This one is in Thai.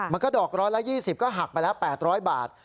มันก็ดอก๑๒๐ก็หักไปแล้ว๘๐๐บาท